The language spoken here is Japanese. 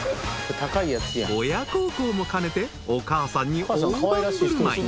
［親孝行も兼ねてお母さんに大盤振る舞い］